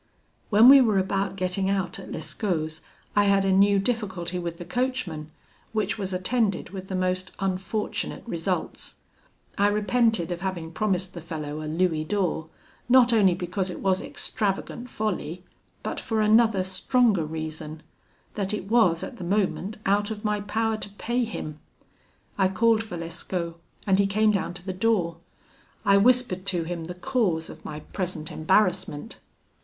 "When we were about getting out at Lescaut's, I had a new difficulty with the coachman, which was attended with the most unfortunate results. I repented of having promised the fellow a louis d'or, not only because it was extravagant folly, but for another stronger reason, that it was at the moment out of my power to pay him. I called for Lescaut, and he came down to the door. I whispered to him the cause of my present embarrassment.